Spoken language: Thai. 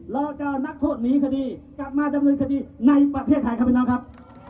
เราจะนักโทษหนีคดีกลับมาดำเนินคดีในประเทศไทยครับพี่น้องครับ